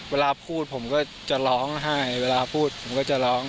เวลาพูดผมก็จะร้องไห้เวลาพูดผมก็จะร้อง